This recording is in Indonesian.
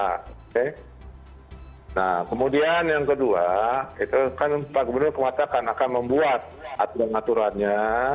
nah kemudian yang kedua itu kan pak gubernur mengatakan akan membuat aturan aturannya